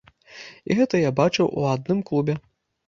І гэта я бачыў у адным клубе.